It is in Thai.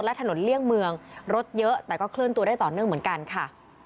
และถนนเลี่ยงเมืองรถเยอะแต่ก็เคลื่อนตัวได้ต่อเนื่องเหมือนกันค่ะ